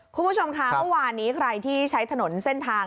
คุณผู้ชมคะเมื่อวานนี้ใครที่ใช้ถนนเส้นทาง